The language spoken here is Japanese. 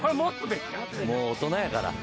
もう大人やから。